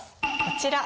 こちら。